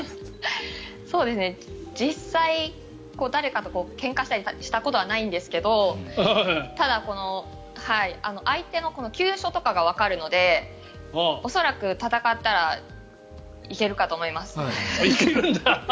実際、誰かとけんかしたりしたことはないんですけどただ、相手の急所とかがわかるので恐らく戦ったら行けるかと思います。